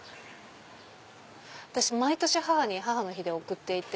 私毎年母に母の日で送っていて。